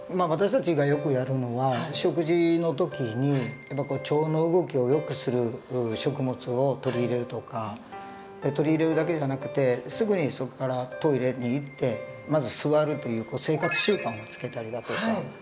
私たちがよくやるのは食事の時に腸の動きをよくする食物を取り入れるとか取り入れるだけじゃなくてすぐにそこからトイレに行ってまず座るという生活習慣をつけたりだとか。